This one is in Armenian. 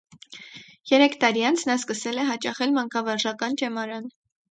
Երեք տարի անց նա սկսել է հաճախել մանկավարժական ճեմարան։